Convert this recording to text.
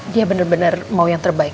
dia benar benar mau yang terbaik